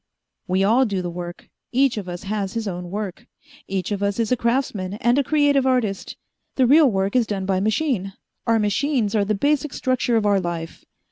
"We all do the work. Each of us has his own work. Each of us is a craftsman and a creative artist. The real work is done by machine our machines are the basic structure of our life.